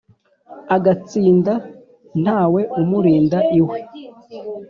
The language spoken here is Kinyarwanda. agatsinda ntawe umurinda iwe